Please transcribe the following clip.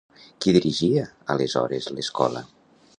Qui dirigia, aleshores, l'escola?